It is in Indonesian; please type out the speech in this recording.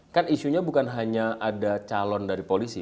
kan isunya bukan hanya ada calon dari polisi